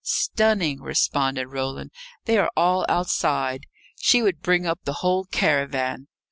"Stunning," responded Roland. "They are all outside. She would bring up the whole caravan.